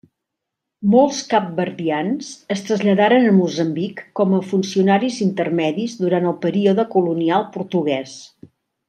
Molts capverdians es traslladaren a Moçambic com a funcionaris intermedis durant el període colonial portuguès.